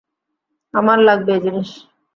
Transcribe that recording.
আমার লাগবে এ জিনিস।